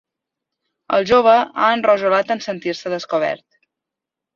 El jove ha enrojolat en sentir-se descobert.